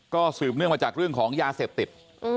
ก็สืบเนื่องมาจากเรื่องของยาเสพติด